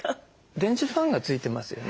レンジファンが付いてますよね。